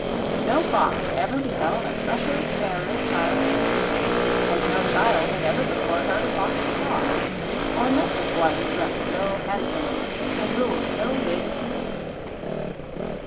No fox ever beheld a fresher, fairer child's face, and no child had ever before heard a fox talk, or met with one who dressed so handsomely and ruled so big a city.